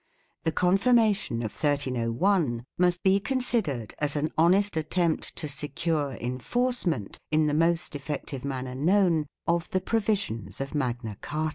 The confirmation of 1301 must be considered as an honest attempt to secure enforcement, in the most effective manner known, of the provisions of Magna Carta.